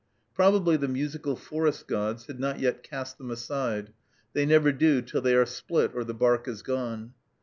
Probably the musical forest gods had not yet cast them aside; they never do till they are split or the bark is gone.